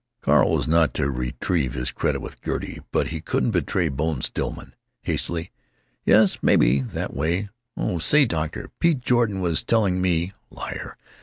Carl was not to retrieve his credit with Gertie, but he couldn't betray Bone Stillman. Hastily: "Yes, maybe, that way——Oh, say, doctor, Pete Jordan was telling me" (liar!)